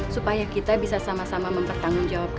supaya kita bisa sama sama mempertanggung jawabannya